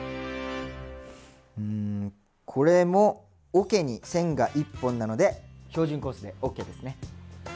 うんこれもおけに線が１本なので標準コースでＯＫですね！